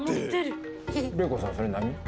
玲子さんそれ何？